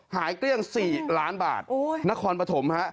หายเกลี้ยงสี่ล้านบาทโอ้ยนครปฐมฮะ